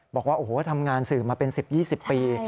บอกว่าโอ้โหทำงานสื่อมาเป็น๑๐๒๐ปี